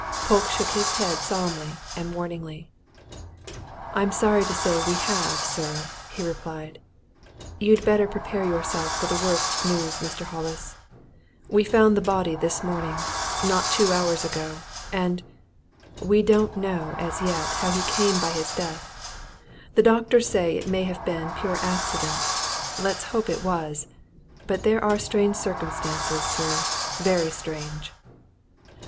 Polke shook his head solemnly and warningly. "I'm sorry to say we have, sir," he replied. "You'd better prepare for the worst news, Mr. Hollis. We found the body this morning not two hours ago. And we don't know, as yet, how he came by his death. The doctors say it may have been pure accident. Let's hope it was! But there are strange circumstances, sir very strange!"